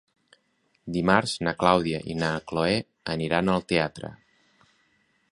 Dimarts na Clàudia i na Cloè aniran al teatre.